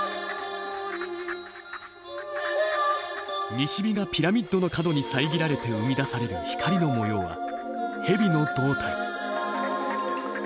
西日がピラミッドの角に遮られて生み出される光の模様は蛇の胴体。